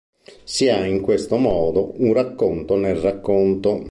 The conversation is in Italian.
Si ha in questo modo un racconto nel racconto.